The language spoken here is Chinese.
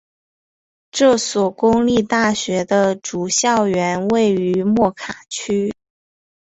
这所公立大学的主校园位于莫卡区。